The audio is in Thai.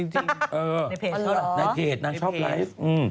จริงในเพจในเพจนางชอบไลฟ์